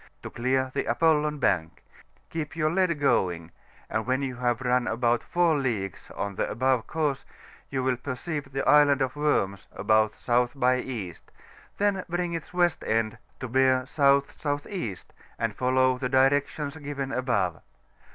to clear the ApoUon Bank; keep your lead going, and when you have run about 4 leagues on the above course, you will perceive the Island of Worms about S. by E., then bring its west end to bear S.S.E., and follow the directions given above.